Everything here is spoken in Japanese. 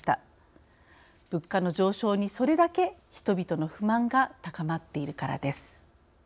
物価の上昇にそれだけ人々の不満が高まっているからです。